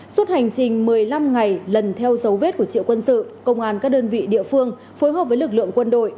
suốt hành trình một mươi năm ngày lần theo dấu vết của triệu quân sự công an các đơn vị địa phương phối hợp với lực lượng quân đội